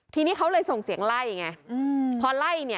ทีนี้เขาเลยส่งเสียงไล่อย่างนี้